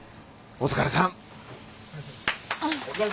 お疲れさん！